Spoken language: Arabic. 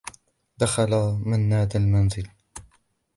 دخل منّاد المنزل.